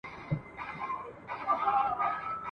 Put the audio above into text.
او همدلته به اوسېږي !.